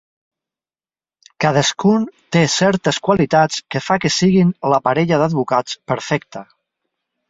Cadascun té certes qualitats que fa que siguin la parella d'advocats perfecta.